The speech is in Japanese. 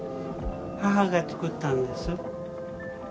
母が作ったんです。